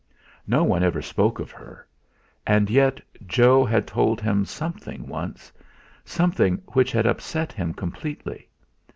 No one ever spoke of her. And yet Jo had told him something once something which had upset him completely.